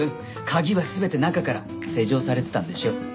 鍵は全て中から施錠されてたんでしょ？